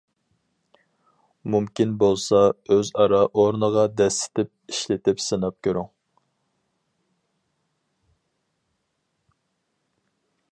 مۇمكىن بولسا ئۆز-ئارا ئورنىغا دەسسىتىپ ئىشلىتىپ سىناپ كۆرۈڭ.